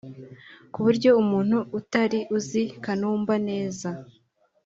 ku buryo umuntu utari uzi Kanumba neza